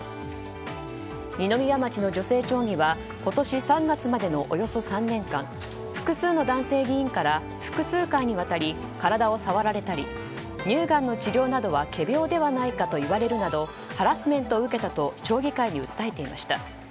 二宮町の女性町議は今年３月までのおよそ３年間複数の男性議員から複数回にわたり体を触られたり乳がんの治療などは仮病ではないかと言われるなどハラスメントを受けたと町議会に訴えていました。